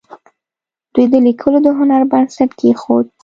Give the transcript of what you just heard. دوی د لیکلو د هنر بنسټ کېښود.